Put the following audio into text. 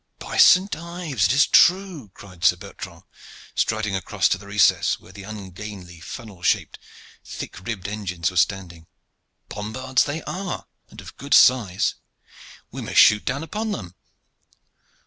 "By Saint Ives! it is true," cried Sir Bertrand, striding across to the recess where the ungainly, funnel shaped, thick ribbed engines were standing. "Bombards they are, and of good size. We may shoot down upon them."